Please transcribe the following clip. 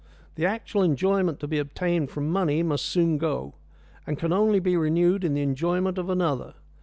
The actual enjoyment to be obtained from money must soon go, and can only be renewed in the enjoyment of another.